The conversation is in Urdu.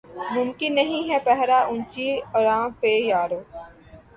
ممکن نہیں ہے پہرہ اونچی اڑاں پہ یارو